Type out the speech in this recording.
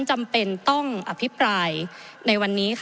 จำเป็นต้องอภิปรายในวันนี้ค่ะ